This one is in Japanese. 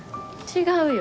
違うよ。